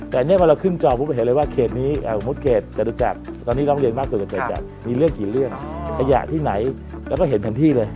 แต่พอเราขึ้นจอเราเห็นว่าเกษตรนี้เรามีเรื่องกี่เรื่องอาหารที่ไหนและเห็นทันที่เลย